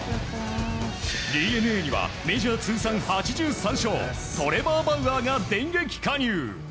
ＤｅＮＡにはメジャー通算８３勝トレバー・バウアーが電撃加入。